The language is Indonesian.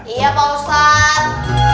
iya pak ustadz